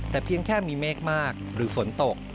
แต่เพียงแค่มีเมฆมากหรือฝนตก